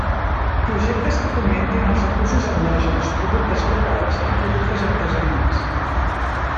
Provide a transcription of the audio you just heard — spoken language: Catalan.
Projectes que fomentin els recursos endògens, productes locals i productes artesanals.